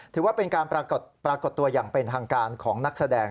ถือว่าเป็นการปรากฏตัวอย่างเป็นทางการของนักแสดง